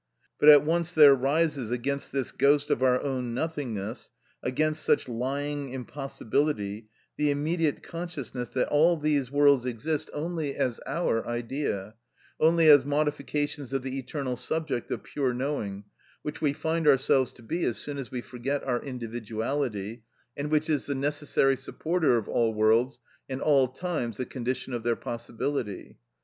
But at once there rises against this ghost of our own nothingness, against such lying impossibility, the immediate consciousness that all these worlds exist only as our idea, only as modifications of the eternal subject of pure knowing, which we find ourselves to be as soon as we forget our individuality, and which is the necessary supporter of all worlds and all times the condition of their possibility.